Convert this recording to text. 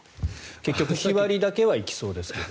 結局、日割りだけは行きそうですが。